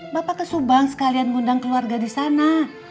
bapak kesubang sekalian ngundang keluarga disana